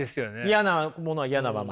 嫌なものは嫌なまま。